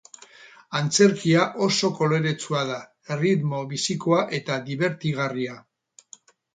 Antzerkia oso koloretsua da, erritmo bizikoa eta dibertigarria.